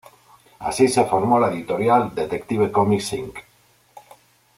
Así se formó la editorial Detective Comics, Inc.